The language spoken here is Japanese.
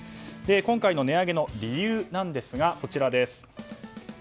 今回の値上げの理由なんですがこちらです。